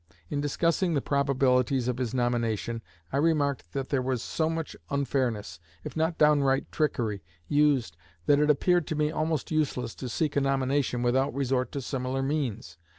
In discussing the probabilities of his nomination, I remarked that there was so much unfairness, if not downright trickery, used that it appeared to me almost useless to seek a nomination without resort to similar means.